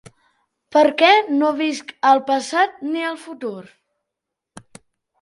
Perquè no visc al passat ni al futur.